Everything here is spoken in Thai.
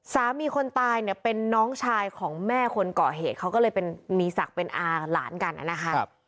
คนตายเนี่ยเป็นน้องชายของแม่คนก่อเหตุเขาก็เลยเป็นมีศักดิ์เป็นอาหลานกันนะคะ